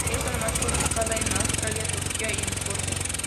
Es además publicada en Australia, Turquía y Rusia.